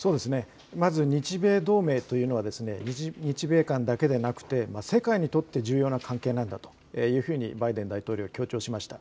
まず日米同盟というのは日米間だけでなくて世界にとって重要な関係なんだというふうにバイデン大統領、強調しました。